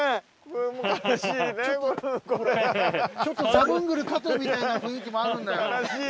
ザブングル加藤みたいな雰囲気もあるんだよ。